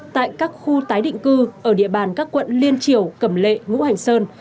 tại các khu tái định cư ở địa bàn các quận liên triều cầm lệ ngũ hành sơn